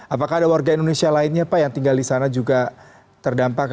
apakah ada warga indonesia lainnya pak yang tinggal di sana juga terdampak